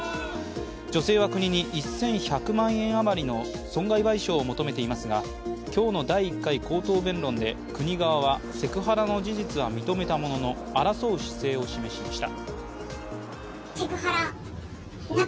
女性は国に１１００万円あまりの損害賠償を求めていますが今日の第一回口頭弁論で、国側はセクハラの事実は認めたものの争う姿勢を示しました。